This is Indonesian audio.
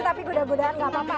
tapi goda godaan tidak apa apa